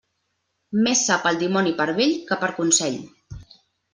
Més sap el dimoni per vell que per consell.